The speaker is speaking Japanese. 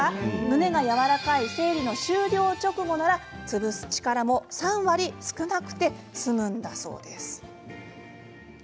胸がやわらかい生理終了直後なら潰す力も３割少なくて済むそうです。